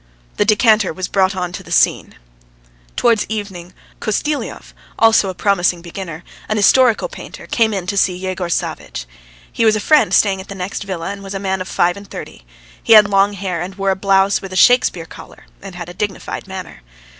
The decanter was brought on to the scene. Towards evening Kostyliov, also a promising beginner, an historical painter, came in to see Yegor Savvitch. He was a friend staying at the next villa, and was a man of five and thirty. He had long hair, and wore a blouse with a Shakespeare collar, and had a dignified manner.